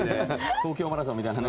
東京マラソンみたいなね。